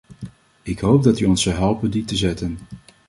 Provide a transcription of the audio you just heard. Ik hoop dat u ons zal helpen die te zetten.